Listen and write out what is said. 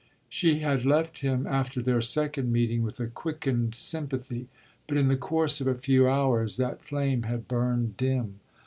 She had left him after their second meeting with a quickened sympathy, but in the course of a few hours that flame had burned dim.